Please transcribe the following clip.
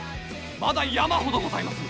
まだ山ほどございまする！